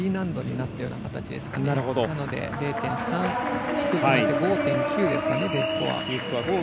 なので、０．３下がって５．９ですかね、Ｄスコア。